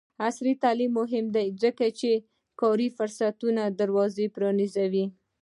عصري تعلیم مهم دی ځکه چې د کاري فرصتونو دروازې پرانیزي.